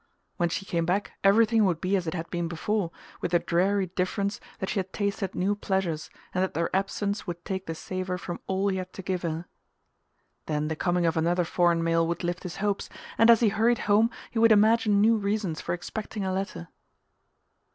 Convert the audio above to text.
When she came back everything would be as it had been before, with the dreary difference that she had tasted new pleasures and that their absence would take the savour from all he had to give her. Then the coming of another foreign mail would lift his hopes, and as he hurried home he would imagine new reasons for expecting a letter....